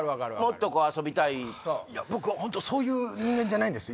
もっとこう遊びたいいや僕ホントそういう人間じゃないんです